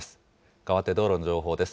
かわって、道路の情報です。